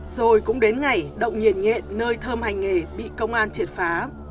rồi cũng đến ngày động nhiệt nhện nơi thơm hành nghề bị công an triệt phá